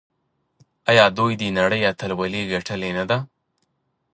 آیا دوی د نړۍ اتلولي ګټلې نه ده؟